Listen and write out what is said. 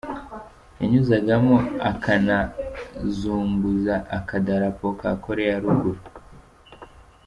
Yanyuzagamo akanazunguze akadarapo ka Koreya ya ruguru.